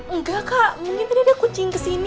enggak kak mungkin tadi ada kucing kesini